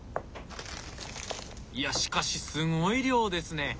いやしかしすごい量ですね！